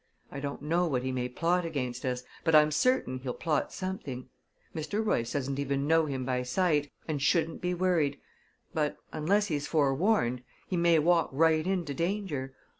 I don't know what he may plot against us, but I'm certain he'll plot something. Mr. Royce doesn't even know him by sight, and shouldn't be worried; but, unless he's forewarned, he may walk right into danger.